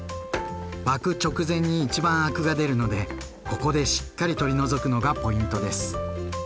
沸く直前に一番アクが出るのでここでしっかり取り除くのがポイントです。